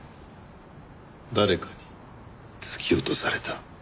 誰かに突き落とされた。